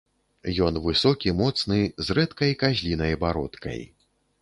Ён высокі, моцны, з рэдкай казлінай бародкай.